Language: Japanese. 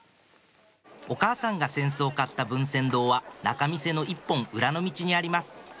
お母さんが扇子を買った文扇堂は仲見世の一本裏の道にあります